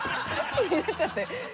気になっちゃって。